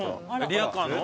リヤカーの？